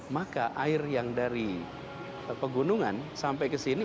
maka air yang dari pegunungan sampai ke sini